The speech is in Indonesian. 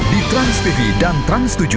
di transtv dan trans tujuh